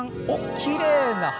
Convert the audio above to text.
きれいな花！